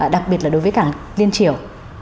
đặc biệt là đối với cảng đà liên chiểu